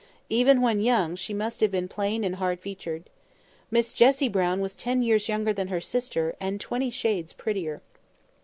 Even when young she must have been plain and hard featured. Miss Jessie Brown was ten years younger than her sister, and twenty shades prettier.